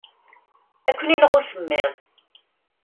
Ad ken-ineɣ usemmiḍ.